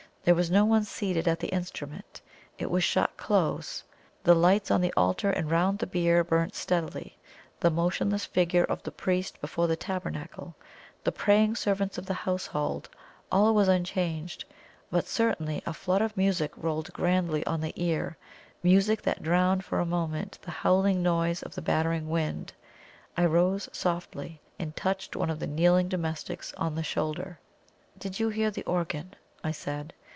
There was no one seated at the instrument; it was shut close. The lights on the altar and round the bier burnt steadily; the motionless figure of the priest before the tabernacle; the praying servants of the household all was unchanged. But certainly a flood of music rolled grandly on the ear music that drowned for a moment the howling noise of the battering wind. I rose softly, and touched one of the kneeling domestics on the shoulder. "Did you hear the organ?" I said.